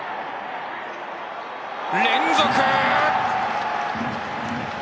連続！